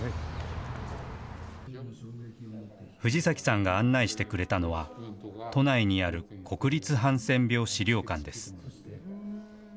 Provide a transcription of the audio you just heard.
藤崎さんが案内してくれたのは、都内にある国立ハンセン病資料館です。